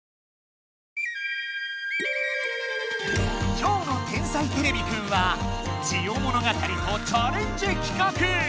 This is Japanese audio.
きょうの「天才てれびくん」は「ジオ物語」とチャレンジきかく！